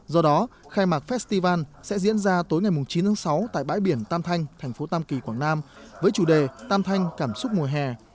do đó khai mạc festival sẽ diễn ra tối ngày chín tháng sáu tại bãi biển tam thanh thành phố tam kỳ quảng nam với chủ đề tam thanh cảm xúc mùa hè